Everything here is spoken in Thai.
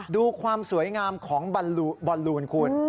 ดูความสวยงามของบอลลูนคุณ